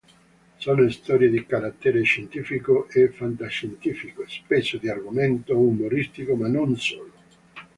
Sono storie di carattere scientifico e fantascientifico, spesso di argomento umoristico, ma non solo.